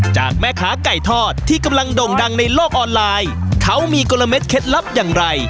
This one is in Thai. จากแม่ค้าไก่ทอดที่กำลังด่งดังในโลกออนไลน์เขามีกลมเด็ดเคล็ดลับอย่างไร